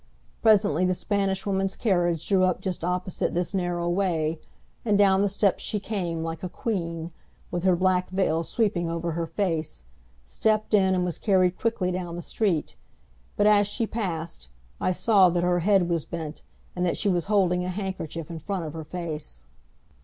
Presently the Spanish Woman's carriage drew up just opposite this narrow way, and down the steps she came, like a queen, with her black veil sweeping over her face, stepped in and was carried quickly down the street. But as she passed I saw that her head was bent and that she was holding a handkerchief in front of her face.